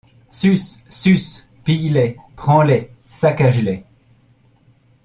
Sus ! sus ! pille-les, pends-les, saccage-les !…